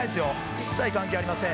一切関係ありません。